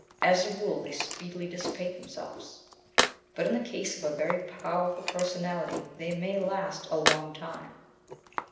As a rule they speedily dissipate themselves, but in the case of a very powerful personality they may last a long time.